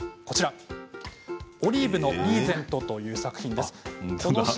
「オリーブのリーゼント」という作品です。